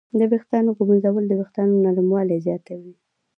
د ویښتانو ږمنځول د وېښتانو نرموالی زیاتوي.